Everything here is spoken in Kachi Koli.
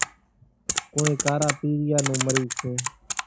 ڪونئين ڪارا پيريا نون مريض سي۔